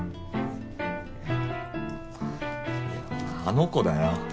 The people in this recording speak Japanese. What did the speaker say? あの子だよ。